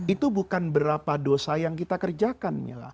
itu bukan berapa dosa yang kita kerjakan